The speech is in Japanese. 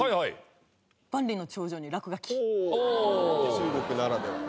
中国ならでは。